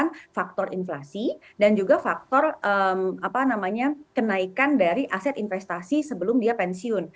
karena faktor inflasi dan juga faktor kenaikan dari aset investasi sebelum dia pensiun